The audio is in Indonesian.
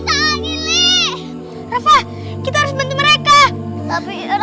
terima kasih rupa berai pak rt